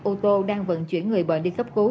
ô tô đang vận chuyển người bệnh đi cấp cứu